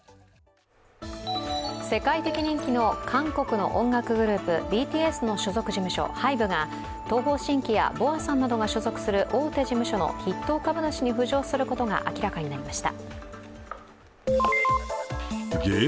世界的人気の韓国音楽グループ、ＢＴＳの所属事務所、ＨＹＢＥが東方神起やＢｏＡさんなどが所属する大手事務所の筆頭株主に浮上することが明らかになりました。